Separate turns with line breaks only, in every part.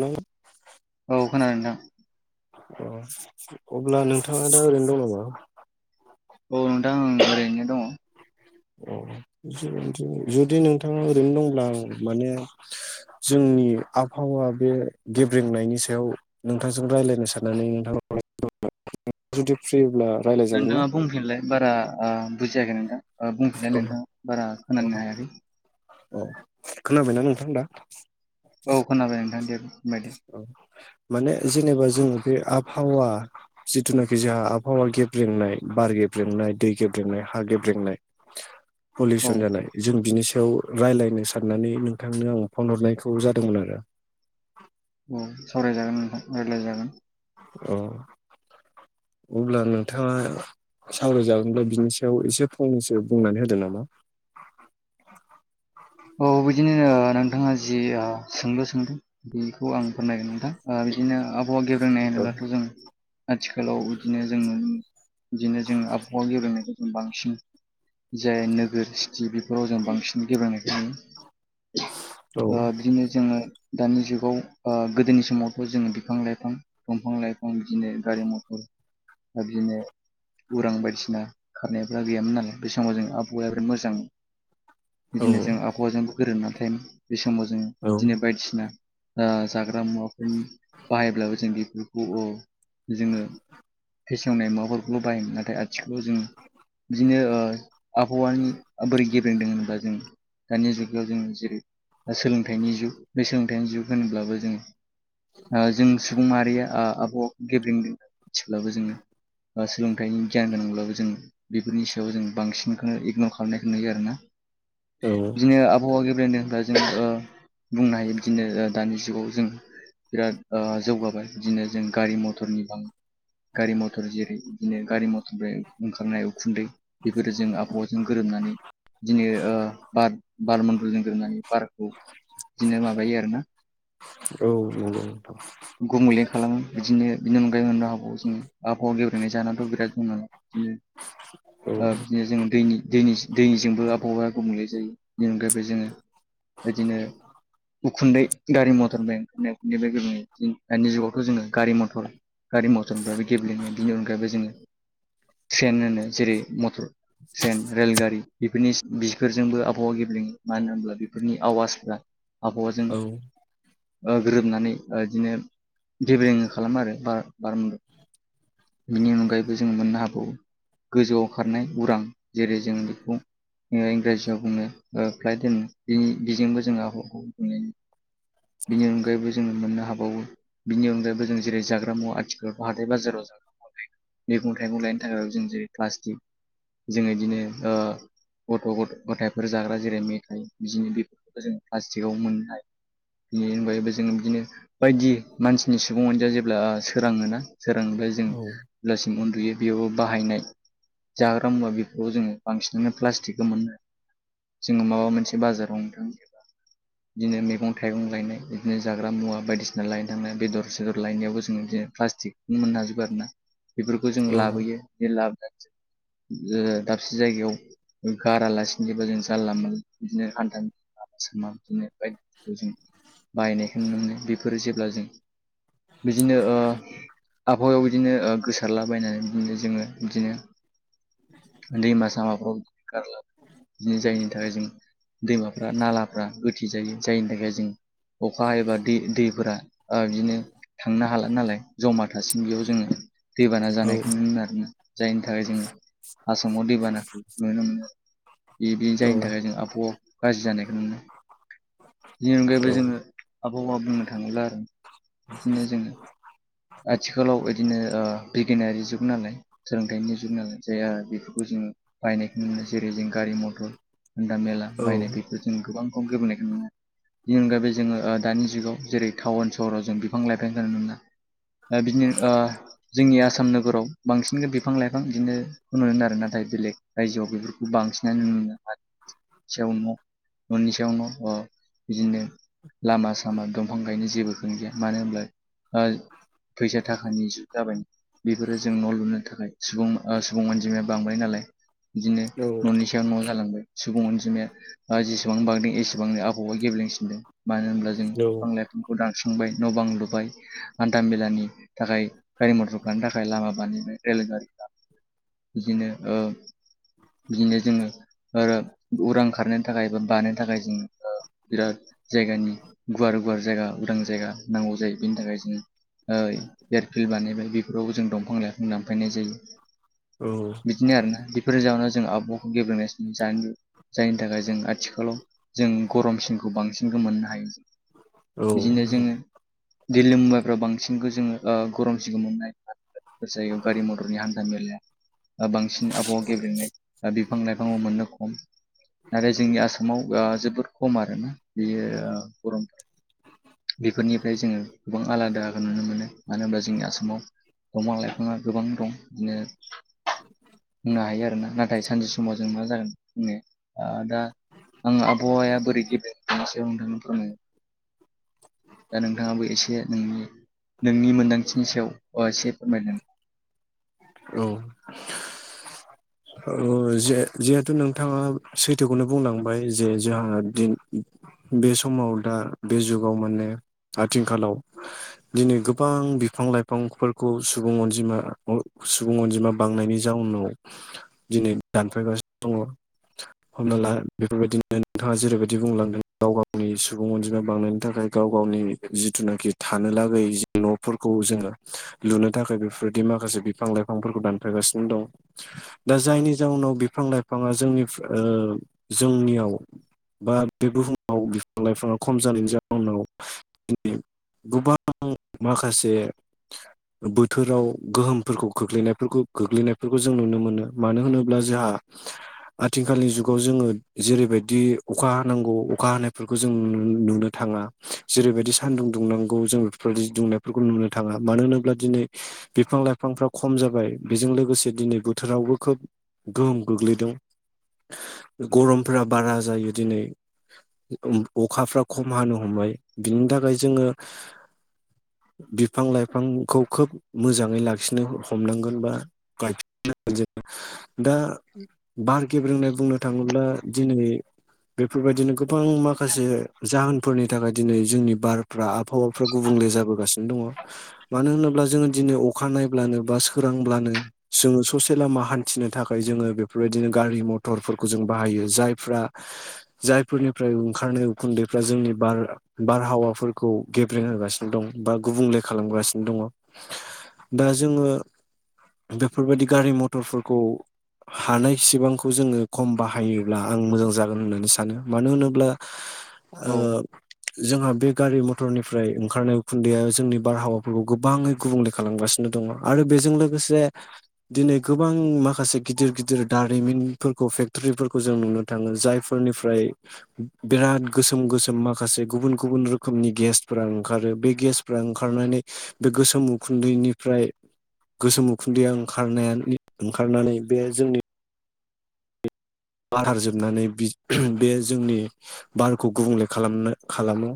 नों
औ खोनादों नोंथां
अ अब्ला नोंथाङा दा ओरैनो दं नामा?
औ नोंथां आं ओरैनो दङ
अ जुदि नोंथाङा ओरैनो दंब्ला आं माने जोंनि आबहावा बे गेब्रेंनायनि सायाव नोंथांजों रायलायनो साननानै नोंथां खौ कल हरदोंमोन ओजुदि फ्रिब्ला रायज्लायजागोन ना?
नोंथाङा बुंफिनलाय बारा आं बुजियाखै नोंथां आ बुंफिनलाय नोंथां बारा खोनानो हायाखै
अ खोनाबायना नोंथां दा?
औ खोनाबाय नोंथां दे बुंलाय दे
औ माने जेनेबा जोंङो बे आबहावा जिथुनाखि जोंहा आबहावा गेब्रेंनाय, बार गेब्रेंनाय, दै गेब्रेंनाय, हा गेब्रेंनाय
औ
पलिउसन जानाय जों बिनि सायाव रायज्लायनो साननानै नोंथांनो आं फन हरनायखौ जादोंमोन आरो।
औ सावरायजागोन नोंथां रायज्लायजागोन।
औ अब्ला नोंथाङा सावरायजागोनब्ला बिनि सायाव एसे फंनैसो बुंनानै होदो नामा?
औ बिदिनो ओ नोंथाङा जि ओ सोंलु सोंदों बेखौ आं फोरमायनो ओ बिदिनो आबहावा गेब्रेंनाय
औ
होनोब्लाथ' जों ओ आथिखालाव बिदिनो जोङो बिदिनो जों आबहावा गेलेनायखौ जोङो बांसिन जाय नोगोर सिटि बेफोराव जों बांसिन गेब्लेनायखौ नुयो।
औ
दा बिदिनो जोङो दानि जुगाव बा गोदोनि समावथ' जोङो बिफां-लाइफां दंफां लाइफां बिदिनो गारि मथर बिदिनो उरां बायदिसिना खारनायफ्रा गैयामोन नालाय बे समाव जोंङो आबहावाया मोजां
औ
बिदिनो जों आबहावाजों गोरोबनानै थायोमोन बे समाव जोंङो बिदिनो
औ
बायदिसिना ओ जाग्रा मुवाफोर बाहायब्लाबो जों बेफोरखौ जोङो फेसेवनाय माबाफोरखौल' बाहायोमोन नाथाय आथिखालाव जों बिदिनो ओ आबहावानि बोरै गेब्रेंदों होनबा जों दानि जुगाव जोङो जेरै सोलोंथाइनि जुग बे सोलोंथाइनि जुग होनोब्लाबो जोङो ओ जों सुबुं माहारिया ओ आबहावाखौ गेब्रेंदों मिथाब्लाबो जोङो ओ सोलोंथायनि गियान गोनांब्लाबो जों बेफोरनि सायाव जों बांसिनखौनो इगनर खालामनायखौ नुयो आरोना। बिदिनो आबहावा गेब्लेदों होनब्ला जों ओ बुंनो हायो बिदिनो दानि जुगाव जों बिराद ओ जौगाबाय बिदिनो जों गारि मथरनि गोबां गारि मथर जेरै बिदिनो गारि मथरनिफ्राइ ओंखारनाय उखुन्दै बेफोरो जों आबहावाजों गोरोबनानै दिनै ओ बार बार मन्दलजों गोरोबनानै बारखौ बिदिनो माबायो आरो।
औ नंगौ।
गुबुमलें खालामो बिदिनो बिनि अनगायै आरो आबहावाजों आबहावा गेब्रेंनाय जाहोनाबोथ' बिराद ओ
औ
बिदिनो जोङो दैनि दैनि दैनिजोंबो आबहावा गुबुंले बेनि अनगायैबो जोङो बेदिनो उखुन्दै गारि मथरजों बे ओंखायनायै दानि जुगावथ' जोङो गारि मथर गारि मथरफ्रायबो गेब्लेङो अनगायबो जों ट्रेन होनो जेरै मटर ट्रेन रेलगारि बेफोरनि बेफोर जोंबो आबहावा गेब्लेङो मानो होनोमोनब्ला बेफोरनि आवाजफ्रा आबहावाजों
औ
ओ गोरोबनानै बिदिनो गेबेलें खालामो आरो बार बार बिनि अनगायैबो जों मोननो हाबावो गोजौआव खारनाय उरां जेरै जों बेखौ ओ इंराजियाव बुङो ओ फ्लायट होनो बिनि बिजोंबो जोंआ बिनि अगाय जोङो मोननो हाबावो बिनि अनगायैबो जों जेरै जाग्रा मुवा आथिखाल हाथाइ बाजाराव जों मैगं थाइगं लायनो थाखाय जों जेरै प्लास्टिक जों बिदिनो ओ गथ' गथ' गथायफोर जाग्रा जेरै मेथाइ बिजनि बेफोरखौ जोंङो प्लास्टिकावव मोननो हायो। बिनि अनगायैबो जोङो बिदिनो बायदि मानसिनि सुबुं अनजिया जेब्ला सोराङोना सोराङोब्ला
[inaudible]
बेलासिम उन्दुयो बेयावबो बाहायनाय जाग्रा मुवा बेफोराव जोङो बांसिनानो प्लास्टिकखौ मोनो। जोङो माबा मोनसे बाजाराव [inaudible]
[unintelligible]
बिदिनो मैगं थाइगं लायनाय बिदिनो जाग्रा मुवा बायदिसिना लायनो थांनाय बेदर सेदर लायनायावबो जोङो बिदिनो प्लास्टिक। मोननो हाजोबो आरो ना। बेफोरखौ जों
औ
लाबोयो बे लाबोनानै ओ दाबसे जायगायाव गारालासिनोबो जों जारला मोनला [unintelligible] लामा सामा बिदिनो बायदिफोरखौ जों बायनायखौ नुनो मोनो बेफोरो जेब्ला जों बिदिनो ओ आबहावायाव बिदिनो ओ गोसारलाबायनानै बिदिनो जोङो बिदिनो दैमा सामाफ्राव गारला जायनि थाखाय जों दैमाफ्रा नालाफ्रा गोथे जायो जायनि थाखाय जों अखा हायोब्ला दै दैफोरा ओ बिदिनो थांनो हाला नालाय जमा थासिम बेयाव जोङो दैबाना जानायखौ नुनो आरोना। जायनि थाखाय जोङो आसामाव दैबानाखौ नुनो मोनो। [unintelligible]
औ
जायनि थाखाय जों आबहावा गाज्रि जानायखौ नुनो बिनि अनगायैबो जोङो आबहावा बुंनो थाङोब्ला आरो बिदिनो जोङो आथिखालाव बिदिनो ओ बिगियानारि जुग नालाय जों दानि जुगनि नालाय जायहा बेफोरखौ जों बाहायनायखौ नुनो मोनो जेरै जों गारि मथर हान्था मेला बायनाय बेखौ जों गोबां [unintelligible] नुनो मोनो। बिनि अनगायैबो ओ जोङो दानि जुगाव जेरै टाउन सहराव जों बिफां लाइफांखौ [unintelligible] ओ बिदिनो ओ जोंनि आसाम नोगोराव बांसिन बिफां लाइफां बिदिनो खौ [unintelligible] नाथाय बेलेग रायजोआव बेफोरखौ बांसिनानो [unintelligible] न'नि सायाव न' ओ बिदिनो लामा सामा दंफां गायनो जेबोखौनो गैया मानो होनब्ला फैसा थाखानि जुग जाबाय बेफोरो जों न' लुनो थाखाय सुबुं ओ सुबुं अनजिमाया बांबाय नालाय बिदिनो न'नि सायाव न जालांबाय सुबुं अनजिमाया ओ जेसेबां बांदों एसेबांनो आबहावा गेबेेंसिनदों मानो होमब्ला जों बिफां लाइफांखौ दानस्रांबाय न'बां लुबाय हान्था मेलानि थाखाय गारि मटर खारनो थाखाय लामा बानायबाय रेलगारिफ्रा बिदिनो ओ बिदिनो जोङो ओ उरां खारनो थाखाय बा बानायनो थाखाय जों ओ बिराद जायगानि गुवार गुवार जायगा उदां जायगा नांगौ जायो बेनि थाखाय जोङो ओ [unintelligible] फिल बानायबाय बेफोरावबो जों दंफां लाइफां दानफायनाय जायो।
औ
बिदिनो आरोना बेफोरनि जाहोनाव जों आबावखौ [unintelligible] जायनि थाखाय जों आथिखालाव जों गरमसिनखौ बांसिन खो मोननो हायो। बिदिनो
औ
जोङो दिल्ली मुम्बाइफ्राव बांसिनखौ जोङो ओ गरम सिनखौ [unintelligible] गारि मथरनि हान्था मेलाया ओ बांसिन आबहावा गेब्रेंनाय दा बिफां लाइफांआव मोननो खम आरो जोंनि आसामाव ओ जोबोर खम आरोना बेयो गरमफोरा बेफोरनिफ्राय जोङो गोबां आलादा बो नुनो मोनो मानो होनब्ला जोंनि आसामाव दंफां लाइफाङा गोबां दं बिदिनो बुंनो हायो आरो ना नाथाय सानसे समाव जों मा जागोन बुंनो ओ दा आं आबहावाया बोरै गेब्रेंदों बेनि सायाव [unintelligible] दा नोंथाङाबो एसे नोंनि नोंनि मोनदांथिनि सायाव ओ एसे फोरमायदों
औ। ओ जे जेहेथु नोंथाङा सैथोखौनो बुंलांबाय जे जोंहा दिन बे समाव दा बे जुगाव माने आथिंखालाव दिनै गोबां बिफां लाइफांफोरखौ सुबुं अनजिमा सुबुं अनजिमा बांनायनि जाउनाव दिनै दानफायगासिनो दङ हना ला बेफोरबायदिनो नोंथाङा जेरैबायदि बुंलांदों गाव गावनि सुबुं अनजिमा बांनायनि थाखाय गाव गावनि जिथुनाखि थानो लागै न'फोरखौ जोङो लुनो थाखाय बेफोरबायदि माखासे बिफां लाइफांफोरखौ दानफायगासिनो दं। दा जायनि जाउनाव बिफां लाइफाङा जोंनिफ ओ जोंनियाव बा बे बुहुमाव बिफां लाइफाङा खम जानायनि जाउनाव दिनि गोबां माखासे बोथोराव गोहोमफोरखौ ख्लैनायफोरखौ गोग्लैनायफोरखौ जों नुनो मोनो। मानो होनोब्ला जोंहा आथिखालनि जुगाव जोङो जेरैबायदि अखा हानांगौ अखा हानायफोरखौ जों नु नुनो थाङा। जेरैबायदि सानदुं दुंनांगौ जों बेफोरबायदि दुंनायफोरखौ नुनो थाङा। मानो होनोब्ला दिनै बिफां लाइफांफ्रा खम जाबाय बेजों लोगोसे दिनै बोथोरावबो खोब गोहोम गोग्लैदों। गरम फोरा बारा जायो दिनै ओम अखाफोरा खम हानो हमबाय बिनि थाखाय जोङो बिफां लाइफांखौ खोब मोजाङै लाखिनो हमनांगोन बा [unintelligible] दा बार गेब्रेंनाय बुंनो थाङोब्ला दिनै बेफोरबायदिनो गोबां माखासे जाहोनफोरनि थाखाय दिनै जोंनि बारफ्रा आब हावाफोरा गुबुंले जाबोगासिनो दङ मानो होनोब्ला जोङो दिनै अखा नायब्लानो बा सोरांब्लानो जों स से लामा हान्थिनो थाखाय जोङो बेफोरबायदिनो गारि मथरफोरखौ जों बाहायो जायफोरा जायफोरनिफ्राय ओंखारनाय उखुन्दैफ्रा जोंनि बार बारहावाफोरखौ गेब्रें होगासिनो दं बा गुबुंले खालामगासिनो दङ। दा जोङो बेफोरबायदि गारि मथरफोरखौ हानायसेबांखौ जोङो खम बाहायोब्ला आं मोजां जागोन होननानै सानो। मानो होनोब्ला ओ
औ
जोंहा बे गारि मथ रनिफ्राय ओंखारनाय उखुन्दैया जोंनि बारहावाफोरखौ गोबाङै गुबुंले खालामगासिनो दङ। आरो बेजों लोगोसे दिनै गोबां माखासे गिदिर गिदिर दारिमिनफोर खौ फेक्टरिफोरखौ जों नुनो थाङो। जायफोरनिफ्राय बिराद गोसोम गोसोम माखासे गुबुन गुबुन रोखोमनि गेसफोरा ओंखारो बे गेस फोरा ओंखारनानै बे गोसोम उखुन्दैनिफ्राय गोसोम उखुन्दैया ओं खारनायानो ओंखारनानै बे जोंनि बारहार जोबनानै बि बे जोंनि बारखौ गुबुंले खालामनो खालामो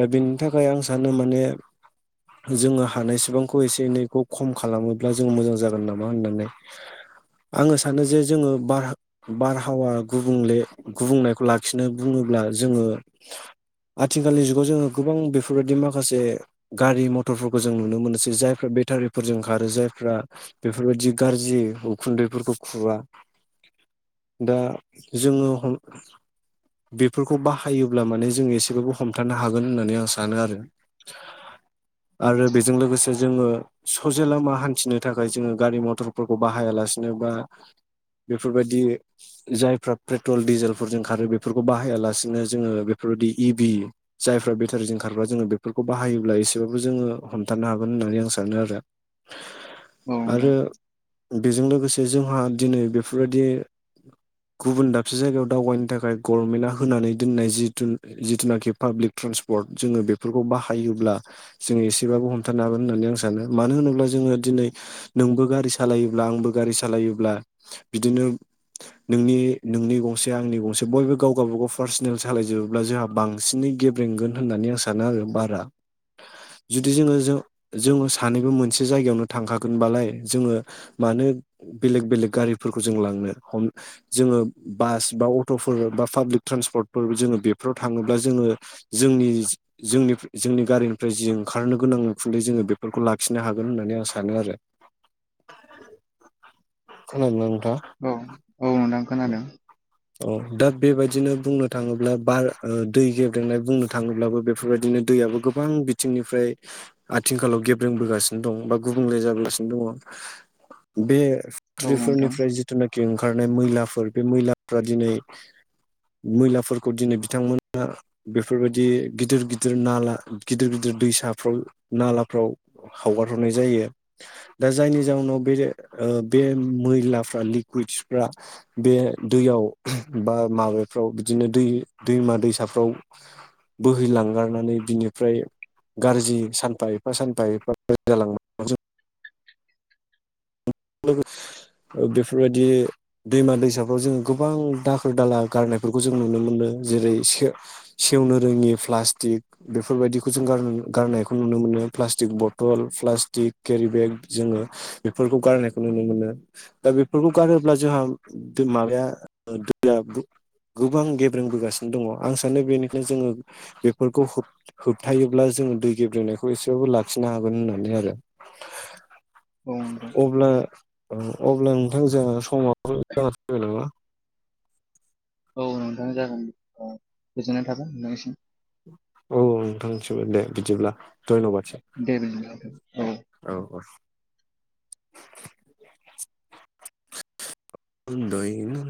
दा बेनि थाखाय आं सानो माने जोङो हानायसेबांखौ एसे एनैखौ खम खालामोब्ला जोङो मोजां जागोन नामा होननानै आङो सानो जे जोङो बार बारहावा गुबुंले गुबुंनायखौ लाखिनो बुङोब्ला जोङो आथिखालनि जुगाव जोङो गोबां बेफोरबायदि माखासे गारि मथरफोरखौ जों नुनो मोनसै जायफ्रा बेटारिफोरजों खारो जायफ्रा बेफोरबायदि गाज्रि उखुन्दैफोरखौ खुवा दा जोङो बेफोरखौ बाहायोब्ला माने जोङो एसेबाबो हमथानो हागोन होननानै आं सानो आरो आरो बेजों लोगोसे जोंङो ससेे लामा हान्थिनो थाखाय जोङो गारि मथरफोरखौ बाहायालासिनो बा बेफोरबायदि दि जायफ्रा पेट्रल डिजेलफोरजों खारो बेफोरखौ बाहायालासिनो जोङो बेफोरबायदि इबि जायफ्रा बेटारिजों खारग्रा जोङो बेफोरखौ बाहायोब्ला एसेबाबो जोङो हमथानो हागोन होननानै आं सानो आरो
औ नोंथां
आरो बेजों लोगोसे जोंहा दिनै बेफोरबायदि [unintelligible] गुबुन दाबसे दावगानो थाखाय गभर्नमेन्टआ होनानै दोननाय जिथु जिथुनाखि पाब्लिक ट्रेन्सपर्ट जोङो बेफोरखौ बाहायोब्ला जों एसेबाबो हमथानो हागोन होननानै आं सानो मानो होनोब्ला जोङो दिनै नोंबो गारि सालायोब्ला आंबो गारि सालायोब्ला बिदिनो नोंनि नोंनि गंसे आंनि गंसे बयबो गाव गावबागाव पार्सनेल सालायजोबोब्ला जोंहा बांसिनै गेब्रेंगोन होननानै आं सानो आरो बारा जुदि जोङो जों जोङो सानैबो मोनसे जायगायावनो थांखागोनबालाय जोङो मानो बेलेग बेलेग गारिफोरखौ जों लांनो हम जोङो बास बा अट'फोर बा पाब्लिक ट्रेन्सपर्टफोर जोङो बेफोराव थाङोब्ला जोङो जोंनि जोंनि जोंनि गारिनिफ्राय जि ओंखारनो गोनां उखुन्दै जोङो बेफोरखौ लाखिनो हागोन होननानै आं सानो आरो खोनादों ना नोंथां
औ औ नोंथां खोनादों
अ दा बेबायदिनो बुंनो थाङोब्ला बार दै गेब्रेंनाय बुंनो थाङोब्लाबो बेफोरबायदिनो दैयाबो गो बां बिथिंनिफ्राय आथिंखालाव गेब्रोंबोगासिनो दं बा गुबुंले जाबोगासिनो दङ बे
औ नोंथां
फेक्ट्रिफोरनिफ्राय ओंखारनाय मैलाफोर बे मैलाफ्रा दिनै मैलाफोरखौ दिनै बिथांमोना बेफोरबायदि गिदिर गिदिर नाला गिदिर गिदिर दैसाफ्राव नालाफ्राव खावगार हरनाय जायो दा जायनि जाउनाव बे बे मैलाफ्रा लिक कुइद्सफ्रा बे दैयाव बा माबाफ्राव बिदिनो दै दैमा दैसाफ्राव बोहैलांगारनानै बिनिफ्राय गाज्रि सानफा एफा सानफा एफा बेफोरबायदि दैमा दैसाफ्राव जोङो गोबां दाखोर दाला गारनायफोरखौ जों नुनो मोनो जेरै सेवनो रोङि प्लास्टिक बेफोरबायदिखौ गारनायखौ नुनो मोनो प्लास्टिक बथल प्लास्टिक केरि बेग जोङो बेफोरखौ गार नुनो मोनो दा बेफोरखौ गारोब्ला जोंहा माबाया दैया गोबां गेब्रें बोगासिनो दङ आं सानो बेनिखायनो जोङो बेफोरखौ होबथायोब्ला जोङो दै गेब्रेंनायखौ एसेबाबो लाखिनो हागोन होननानै आरो
औ नोंथां
[inaudible] अब्ला अब्ला‌ ओ नोंथां जोहा समाव जासिगोन नामा।
औ नोंथां जागोन ओ गोजोननाय थाबाय नोंथांनि सिम।
औ नोंथांसिमबो दे बिदिब्ला धैनबादसै।
दे बिदिब्ला नोंथां
औ [inaudible] [unintelligible] उन्दुयैनो।